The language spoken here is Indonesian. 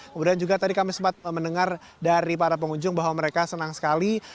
kemudian juga tadi kami sempat mendengar dari para pengunjung bahwa mereka senang sekali